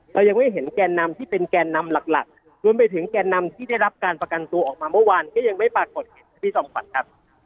เรายังไม่เห็นแกนนำที่เป็นแกนนำหลักรวมไปถึงแกนนำที่ได้รับการประกันตัวออกมาเมื่อวานก็ยังไม่ปรากฏเห็นนะพี่จอมขวัญครับ